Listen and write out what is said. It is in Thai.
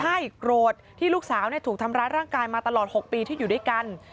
ใช่โกรธที่ลูกสาวถูกทำร้ายร่างกายมาตลอด๖ปีที่อยู่ด้วยกัน